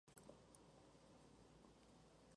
Síntomas: náuseas, vómitos y dolores estomacales.